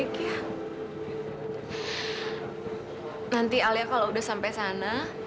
ketika kita putar putar